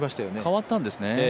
変わったんですね。